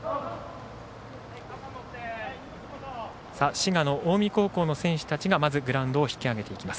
滋賀の近江高校の選手たちがグラウンドを引き上げていきます。